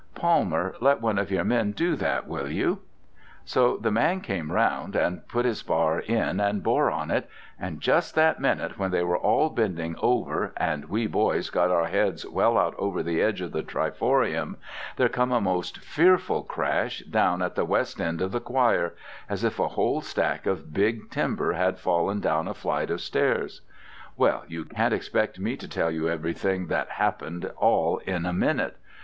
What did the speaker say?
Palmer, let one of your men do that, will you?' "So the man come round, and put his bar in and bore on it, and just that minute when they were all bending over, and we boys got our heads well out over the edge of the triforium, there come a most fearful crash down at the west end of the choir, as if a whole stack of big timber had fallen down a flight of stairs. Well, you can't expect me to tell you everything that happened all in a minute.